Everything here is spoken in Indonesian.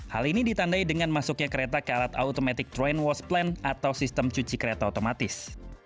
hal ini ditandai dengan masuknya kereta ke alat automatic train wash plan atau sistem cuci kereta otomatis